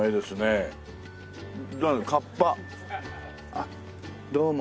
あっどうも。